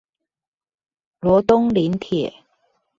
羅東林鐵